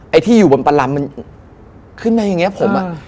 ไอ้ที่อยู่บนประลำมันขึ้นมาอย่างนี้ผมอ่ะ